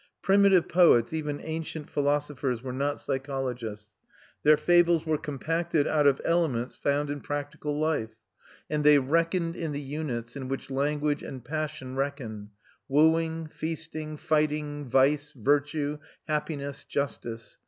Primitive poets, even ancient philosophers, were not psychologists; their fables were compacted out of elements found in practical life, and they reckoned in the units in which language and passion reckon wooing, feasting, fighting, vice, virtue, happiness, justice.